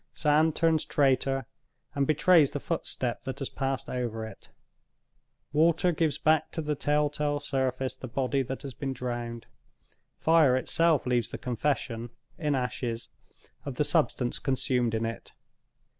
Sand turns traitor, and betrays the footstep that has passed over it; water gives back to the tell tale surface the body that has been drowned. Fire itself leaves the confession, in ashes, of the substance consumed in it.